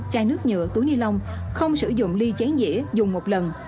chai nước nhựa túi ni lông không sử dụng ly chán dĩa dùng một lần